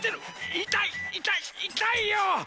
いたいいたいいたいよ！